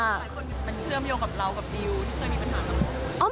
หลายคนมันเชื่อมโยงกับเรากับดิวที่เคยมีปัญหากับลูก